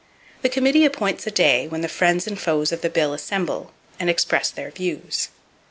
The committee appoints a day, when the friends and foes of the bill assemble, and express their views.